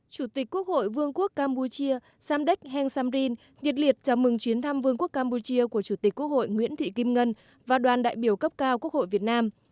chủ tịch quốc hội vương quốc campuchia samdek heng samrin nhiệt liệt chào mừng chuyến thăm vương quốc campuchia của chủ tịch quốc hội nguyễn thị kim ngân và đoàn đại biểu cấp cao quốc hội việt nam